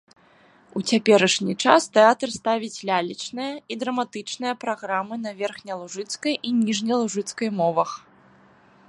У цяперашні час тэатр ставіць лялечныя і драматычныя праграмы на верхнялужыцкай і ніжнялужыцкай мовах.